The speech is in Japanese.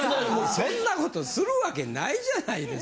そんなことするわけないじゃないですか。